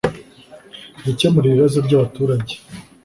Gukemura ibibazo by abaturage